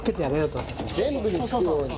全部につくように。